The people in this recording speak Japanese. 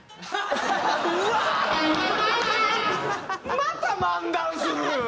また漫談する！